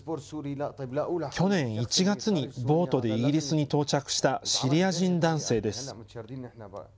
去年１月にボートでイギリスに到着したシリア人男性です。